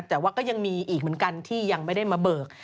แต่ว่าก็ยังมีอีกเหมือนกันที่ยังไม่ได้มาเบิก